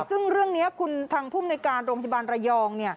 ซึ่งเรื่องนี้คุณทางภูมิในการโรงพยาบาลระยอง